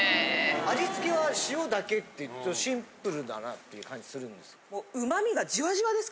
味付けは塩だけってシンプルだなっていう感じするんですけど。